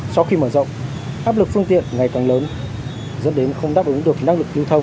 sau khi mở rộng áp lực phương tiện ngày càng lớn dẫn đến không đáp ứng được năng lực lưu thông